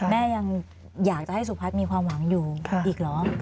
แม่ยังอยากจะให้สุพัฒน์มีความหวังอยู่อีกเหรอ